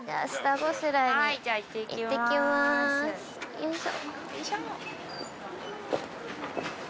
よいしょ。